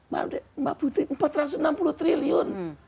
mbak putri empat ratus enam puluh triliun